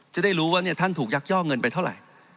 จะได้รู้ว่าท่านถูกยักยอกเงินไปเท่าไหร่